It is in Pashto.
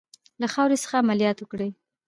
له خاورې څخه عملیات وکړي.